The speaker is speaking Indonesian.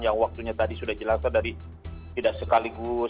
yang waktunya tadi sudah jelaskan dari tidak sekaligus